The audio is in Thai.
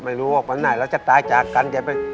ไม่รู้ว่าวันไหนเราจะตายจากกันจะไป